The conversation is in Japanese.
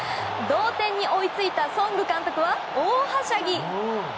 同点に追いついたソング監督は、大はしゃぎ。